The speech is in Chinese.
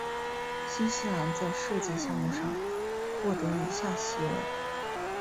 新西兰在射击项目上获得以下席位。